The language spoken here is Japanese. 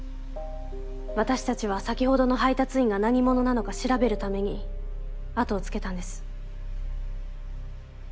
私達は先ほどの配達員が何者なのか調べるためにあとをつけたんです。